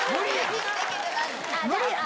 無理やん。